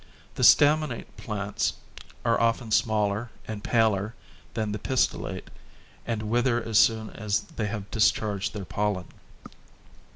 The staminate plants are often smaller and paler than the pistillate and wither as soon as they have discharged their pollen.